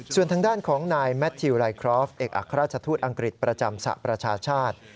ส่วนทางด้านของนายแมททิวไลครอฟเอกอัครราชทูตอังกฤษประจำสระประชาชาติ